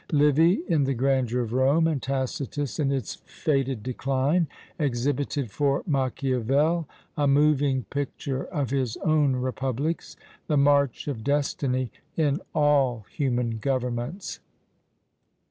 Livy in the grandeur of Rome, and Tacitus in its fated decline, exhibited for Machiavel a moving picture of his own republics the march of destiny in all human governments!